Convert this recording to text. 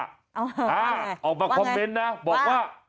ว่าไงว่าไงว่าไงออกมาคอมเมนต์นะบอกว่า